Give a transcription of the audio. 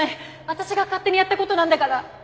私が勝手にやった事なんだから！